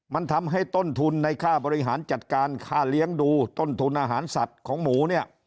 มันทำให้ต้นทุนในค่าบริหารจัดการค่าเลี้ยงดูต้นทุนอาหารสัตว์ของหมูเนี่ย